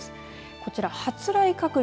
こちら発雷確率。